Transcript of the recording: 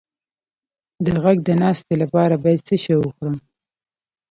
د غږ د ناستې لپاره باید څه شی وخورم؟